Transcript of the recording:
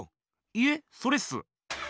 いえそれっす。